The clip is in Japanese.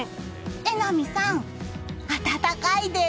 榎並さん、暖かいです！